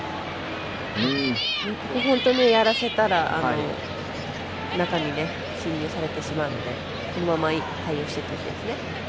ここ本当にやらせたら中に進入されてしまうので対応していっただけですね。